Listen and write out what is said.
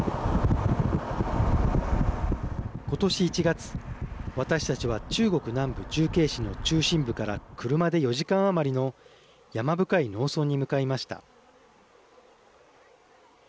ことし１月私たちは中国南部重慶市の中心部から車で４時間余りの山深い農村に向かいました。